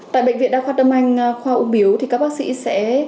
tại bệnh viện đa khoa tâm anh khoa ung biếu thì các bác sĩ sẽ